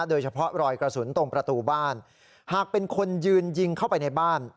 โดยเฉพาะรอยกระสุนตรงประตูบ้านหากเป็นคนยืนยิงเข้าไปในบ้าน